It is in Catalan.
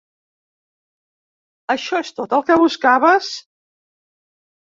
Això és tot el que buscaves?